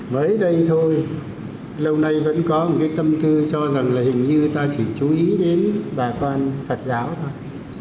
với đây thôi lâu nay vẫn có một cái tâm tư cho rằng là hình như ta chỉ chú ý đến bà con phật giáo thôi